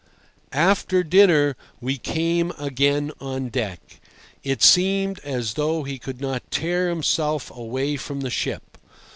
After dinner we came again on deck. It seemed as though he could not tear himself away from the ship.